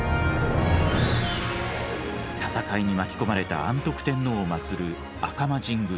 戦いに巻き込まれた安徳天皇を祭る赤間神宮。